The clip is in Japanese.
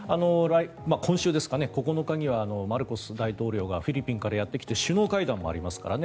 今週９日にはマルコス大統領がフィリピンからやってきて首脳会談もありますからね。